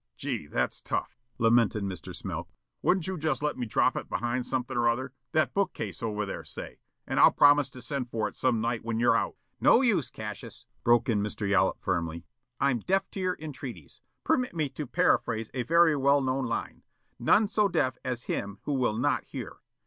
"Gee, that's tough," lamented Mr. Smilk. "Wouldn't you just let me drop it behind something or other, that book case over there say, and I'll promise to send for it some night when you're out, " "No use, Cassius," broke in Mr. Yollop, firmly. "I'm deaf to your entreaties. Permit me to paraphrase a very well known line. 'None so deaf as him who will not hear.'"